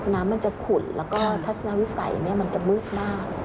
น้ำมันจะขุดแล้วก็ทัศนวิสัยมันจะมืดมาก